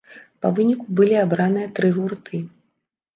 Па выніку былі абраныя тры гурты.